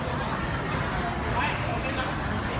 หลักหรือเปล่า